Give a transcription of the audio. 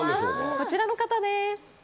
こちらの方です。